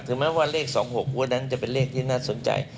แม้ว่าเลข๒๖หัวนั้นจะเป็นเลขที่น่าสนใจ